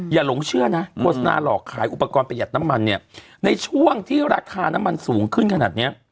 หลงเชื่อนะโฆษณาหลอกขายอุปกรณ์ประหยัดน้ำมันเนี่ยในช่วงที่ราคาน้ำมันสูงขึ้นขนาดเนี้ย